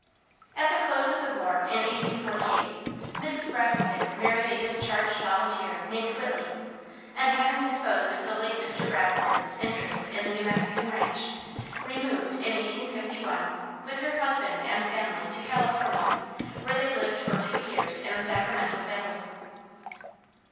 At the close of the war in 1848, Mrs. Braxton married a discharged volunteer named Whitley, and having disposed of the late Mr. Braxton's interest in the New Mexican ranche, removed, in 1851, with her husband and family, to California, where they lived for two years in the Sacramento valley.